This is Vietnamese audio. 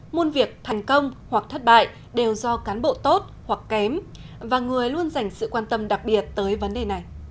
muôn việc thành công hoặc thất bại đều do cán bộ tốt hoặc kém và người luôn dành sự quan tâm đặc biệt tới vấn đề này